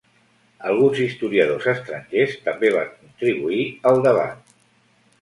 Alguns historiadors estrangers també van contribuir al debat.